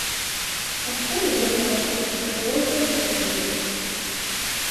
Кастене бурлак-влак кошевой ончыко чумыргышт.